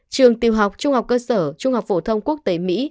trường tiêu học trung học cơ sở trung học phổ thông quốc tế mỹ